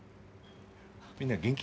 みんな元気？